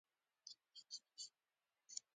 د جګړې انګیزه د اقتصادي ګټو ډیرول وي